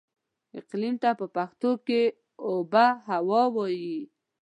اقليم ته په پښتو کې اوبههوا وايي.